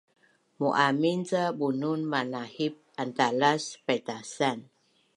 Mu’amin ca bunun manahip antalas paitasan